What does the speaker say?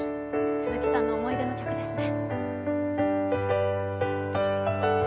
鈴木さんの思い出の曲ですね。